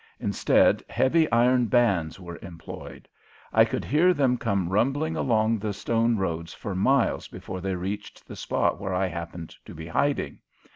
Instead, heavy iron bands were employed. I could hear them come rumbling along the stone roads for miles before they reached the spot where I happened to be in hiding.